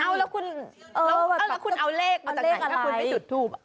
เอาแล้วคุณเอาเลขมาจากไหนถ้าคุณไม่จุดทูป